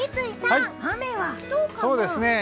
三井さん、雨はどうかな？